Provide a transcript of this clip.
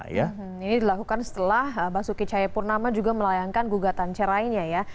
ini dilakukan setelah basuki cahaya purnama juga melayangkan gugatan cerainya